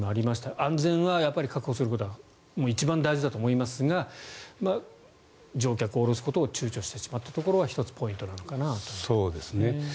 安全を確保することは一番大事だと思いますが乗客を降ろすことを躊躇してしまったところは１つ、ポイントなのかなと。